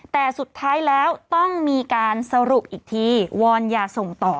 แต่สุดท้ายแล้วต้องมีการสรุปอีกทีวอนยาส่งต่อ